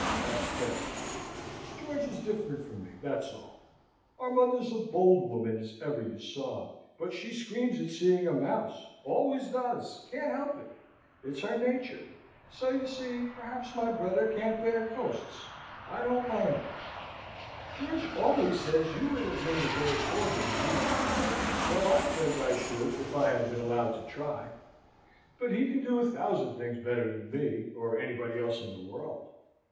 asked Hetty. "George is different from me, that's all. Our mother's a bold woman as ever you saw, but she screams at seeing a mouse always does can't help it. It's her nature. So, you see, perhaps my brother can't bear ghosts. I don't mind 'em." "George always says you would have made a better soldier than he." "So I think I should, if I had been allowed to try. But he can do a thousand things better than me, or anybody else in the world.